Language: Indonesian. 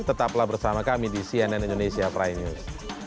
tetaplah bersama kami di cnn indonesia prime news